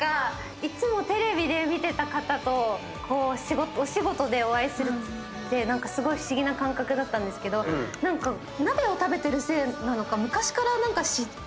いつもテレビで見てた方とお仕事でお会いするって何かすごい不思議な感覚だったんですけど鍋を食べてるせいなのか昔からし。